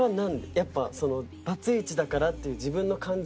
やっぱバツイチだからっていう自分の感情があるのか？